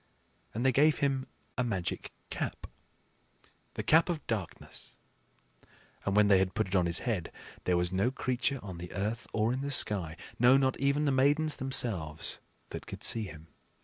And they gave him a magic cap, the Cap of Darkness; and when they had put it upon his head, there was no creature on the earth or in the sky no, not even the Maidens themselves that could see him.